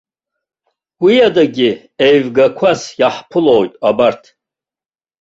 Уи адагьы еивгақәас иаҳԥылоит абарҭ.